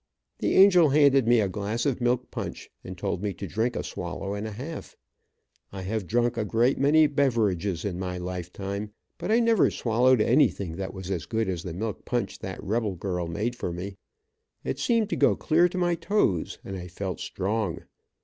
The angel handed me a glass of milk punch, and told me to drink a swallow and a half. I have drank a great many beverages in my lifetime, but I never swallowed anything that was as good as the milk punch that rebel girl made for me. It seemed to go clear to my toes, and I felt strong.